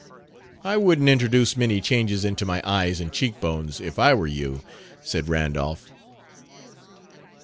"I wouldn't introduce many changes into my eyes and cheekbones, if I were you," said Randolph.